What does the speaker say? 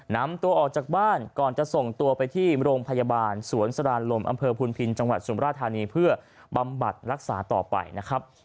นำตัวออกจากบ้านก่อนจะส่งตัวไปที่โรงพยาบาลสวนสรานลมอำเภอพุนพินจังหวัดสุมราชธานีเพื่อบำบัดรักษาต่อไปนะครับ